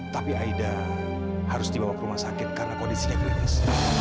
tapi aida harus dibawa ke rumah sakit karena kondisinya kritis